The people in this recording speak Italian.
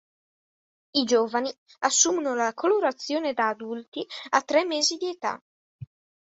I giovani assumono la colorazione da adulti a tre mesi di età.